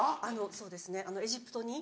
そうですねエジプトに。